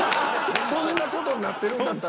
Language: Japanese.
そんな事になってるんだったら。